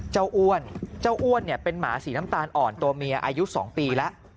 อ้วนเจ้าอ้วนเนี่ยเป็นหมาสีน้ำตาลอ่อนตัวเมียอายุ๒ปีแล้ว